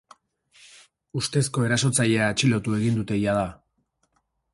Ustezko erasotzailea atxilotu egin dute jada.